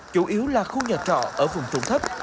chủ yếu là khu nhà trọ ở vùng trụng thấp